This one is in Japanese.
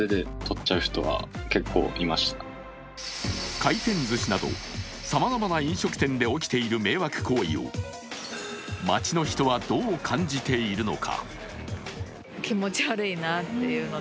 回転ずしなど、さまざまな飲食店で起きている迷惑行為を街の人は、どう感じているのか。